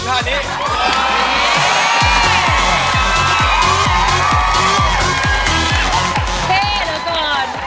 เฮ้เดี๋ยวก่อน